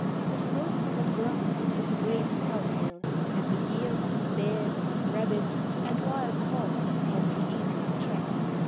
The snow covered ground is a great tell tale, and the deer, bears, rabbits, and wild hogs can be easily tracked.